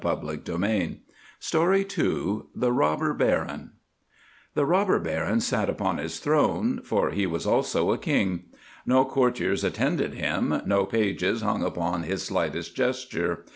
THE ROBBER BARON THE ROBBER BARON THE Robber Baron sat upon his throne—for he was also a king. No courtiers attended him; no pages hung upon his slightest gesture.